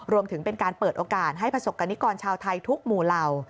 รวมถึงเป็นการเปิดโอกาสให้ประสบกรณิกรชาวไทยทุกหมู่เหล่า